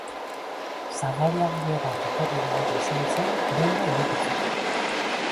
Sarrailagile bat etorri behar izan zen denda irekitzeko.